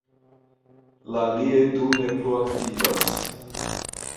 La aliaj du ne plu aktivas.